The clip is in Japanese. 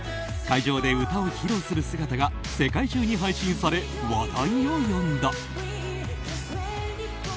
会場で歌を披露する姿が世界中に配信され話題を呼んだ。